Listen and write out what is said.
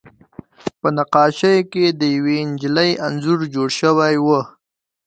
په نقاشۍ کې د یوې نجلۍ انځور جوړ شوی و